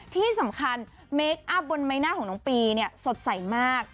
ที่สำคัญเมคอัพบนใบหน้าของน้องปีเนี่ยสดใสมาก